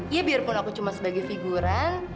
ya biarpun aku cuma sebagai figuran